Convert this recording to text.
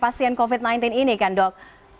pasien covid sembilan belas ini kan dok